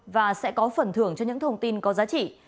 và sẽ có phần thưởng cho những thông tin có giá trị